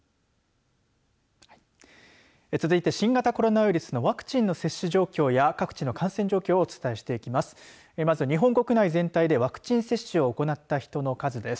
続いて新型コロナウイルスのワクチンの接種状況や各地の感染状況をお伝えしていきます。